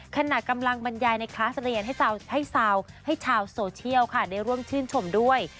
ขณะกำลังบรรยายในคลาสเรียนให้ชาวโซเชียลค่ะได้ร่วมชื่นชมด้วย